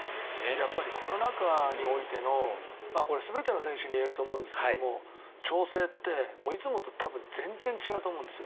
やっぱりコロナ禍においてのこれは全ての選手に言えると思うんですけど調整っていつもと全然違うと思うんですよ。